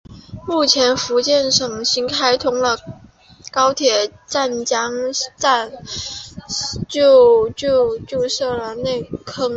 目前福建省新开通的高铁晋江站就设在内坑镇。